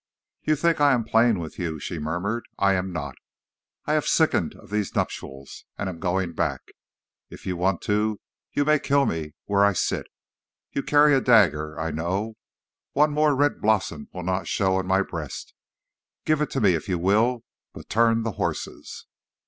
"'You think I am playing with you,' she murmured. 'I am not. I have sickened of these nuptials and am going back. If you want to, you may kill me where I sit. You carry a dagger, I know; one more red blossom will not show on my breast. Give it to me if you will, but turn the horses.'